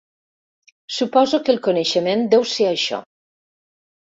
Suposo que el coneixement deu ser això.